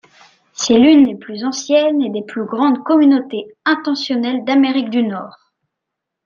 C'est l'une des plus anciennes et des plus grandes communautés intentionnelles d'Amérique du Nord.